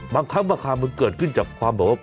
บังคับว่าความมันเกิดขึ้นจากความแบบว่า